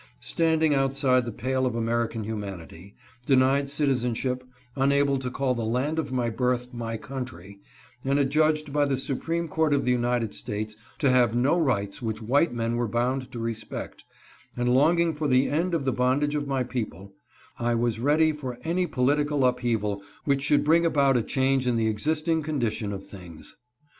Standing outside the pale of American humanity, denied citizen ship, unable to call the land of my birth my country, and adjudged by the supreme court of the United States to have no rights which white men were bound to respect, and longing for the end of the bondage of my people, I was ready for any political upheaval which should bring about a change in the existing condition of things.